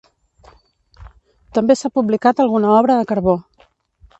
També s'ha publicat alguna obra a carbó.